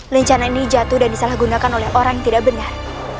lencana ini jatuh dan disalahgunakan oleh orang yang tidak benar